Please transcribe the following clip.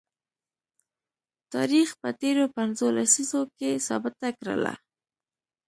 تاریخ په تیرو پنځو لسیزو کې ثابته کړله